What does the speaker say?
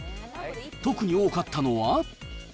特に多かったのは。